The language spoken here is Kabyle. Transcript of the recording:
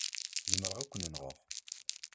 Zemreɣ ad k-nɣeɣ.